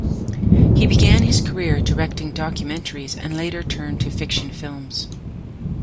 He began his career directing documentaries and later turned to fiction films.